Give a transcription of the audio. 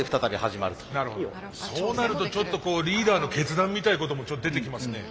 そうなるとちょっとリーダーの決断みたいなことも出てきますね。